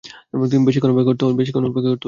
বেশিক্ষণ অপেক্ষা করতে হলনা।